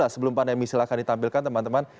sebelum pandemi silahkan ditampilkan teman teman